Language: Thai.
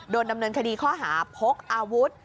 โดนดำเนินคดีข้อหาพกอาวุธ